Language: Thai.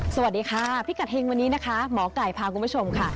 สวัสดีค่ะพิกัดเฮงวันนี้นะคะหมอไก่พาคุณผู้ชมค่ะ